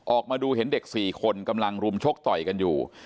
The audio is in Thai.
ออกมาดูเห็นเด็ก๔คนกำลังรุมชกต่อยกันอยู่